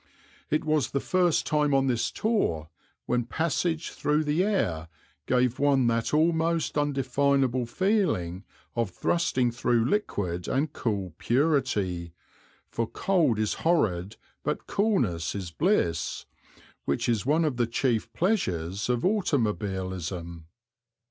It was the first time on this tour when passage through the air gave one that almost undefinable feeling of thrusting through liquid and cool purity for cold is horrid but coolness is bliss which is one of the chief pleasures of automobilism.